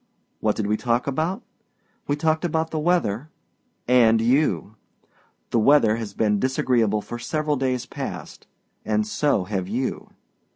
What did we talk about? We talked about the weather and you! The weather has been disagreeable for several days past and so have you.